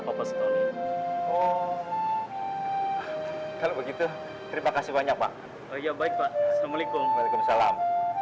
oh kalau begitu terima kasih banyak pak ya baik pak assalamualaikum waalaikumsalam